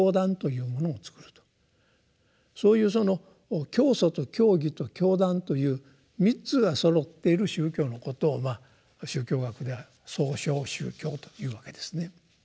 そういうその教祖と教義と教団という３つがそろっている宗教のことを宗教学では「創唱宗教」というわけですね。